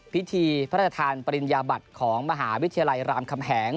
พิธีพระราชทานปริญญาบัติของมหาวิทยาลัยรามคำแหง